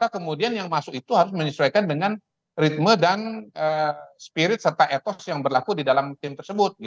kemudian yang masuk itu harus menyesuaikan dengan ritme dan spirit serta etos yang berlaku di dalam tim tersebut